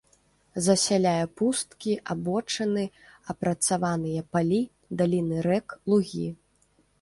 Засяляе пусткі, абочыны, апрацаваныя палі, даліны рэк, лугі.